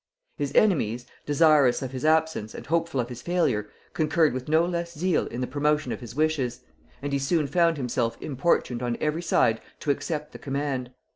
His enemies, desirous of his absence and hopeful of his failure, concurred with no less zeal in the promotion of his wishes; and he soon found himself importuned on every side to accept the command.